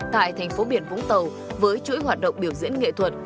tại thành phố biển vũng tàu với chuỗi hoạt động biểu diễn nghệ thuật